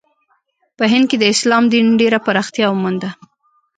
په هند کې د اسلام دین ډېره پراختیا ومونده.